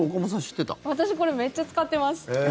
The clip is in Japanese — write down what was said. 私めっちゃ使っています。